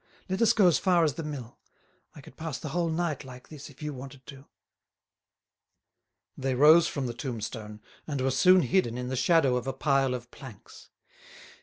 "Let us go as far as the mill. I could pass the whole night like this if you wanted to." They rose from the tombstone, and were soon hidden in the shadow of a pile of planks.